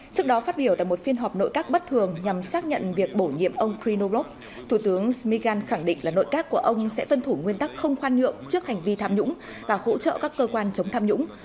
trước đó phát biểu tại một phiên họp nội các bất thường nhằm xác nhận việc bổ nhiệm ông chrinolov thủ tướng smegan khẳng định là nội các của ông sẽ tuân thủ nguyên tắc không khoan nhượng trước hành vi tham nhũng và hỗ trợ các cơ quan chống tham nhũng